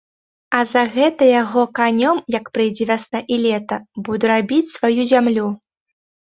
А за гэта яго канём, як прыйдзе вясна і лета, буду рабіць сваю зямлю.